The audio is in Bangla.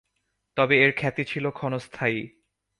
তবে এর খ্যাতি ছিল ক্ষণস্থায়ী।